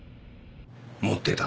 持ってた。